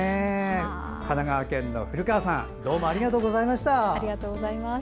神奈川県の古川さんどうもありがとうございました。